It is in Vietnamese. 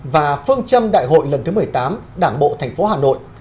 và phương châm đại hội lần thứ một mươi tám đảng bộ tp hà nội